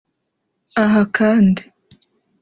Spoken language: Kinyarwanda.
Aha kandi